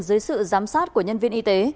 dưới sự giám sát của nhân viên y tế